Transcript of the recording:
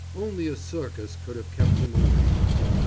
Only a circus could have kept him away.